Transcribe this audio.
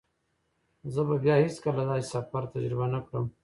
زه به بیا هیڅکله داسې سفر تجربه نه کړم.